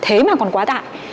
thế mà còn quá tải